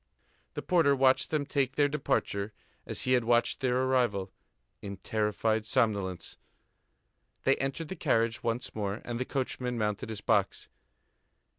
The porter watched them take their departure as he had watched their arrival, in terrified somnolence. They entered the carriage once more, and the coachman mounted his box.